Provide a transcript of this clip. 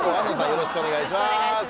よろしくお願いします。